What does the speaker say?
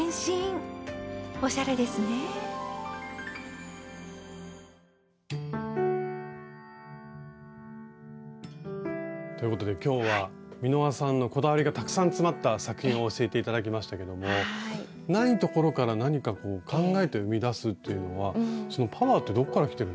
おしゃれですね。ということで今日は美濃羽さんのこだわりがたくさん詰まった作品を教えて頂きましたけどもないところから何か考えて生み出すっていうのはそのパワーってどっからきてるんですか？